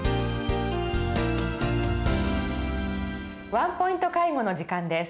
「ワンポイント介護」の時間です。